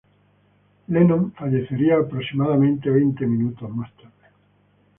Lennon fallecería aproximadamente veinte minutos más tarde.